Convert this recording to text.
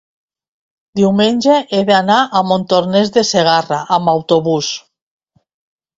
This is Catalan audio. diumenge he d'anar a Montornès de Segarra amb autobús.